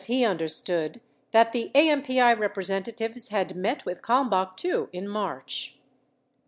721 he understood that the AMPI representatives had met with Kalmbach, too, in March.